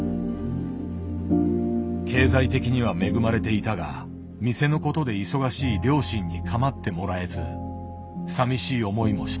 経済的には恵まれていたが店のことで忙しい両親に構ってもらえずさみしい思いもした。